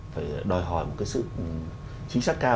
phải đòi hỏi một cái sự chính xác cao